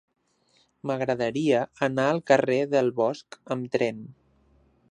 M'agradaria anar al carrer del Bosc amb tren.